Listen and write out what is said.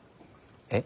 えっ？